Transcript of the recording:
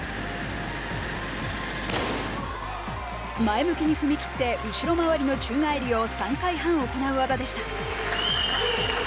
前向きに踏み切って後ろ回りの宙返りを３回半行う技でした。